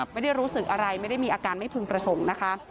ไม่ได้รู้สึกอะไรไม่ได้มีอาการไม่พึงประสงค์นะคะ